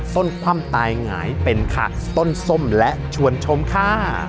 คว่ำตายหงายเป็นค่ะต้นส้มและชวนชมค่ะ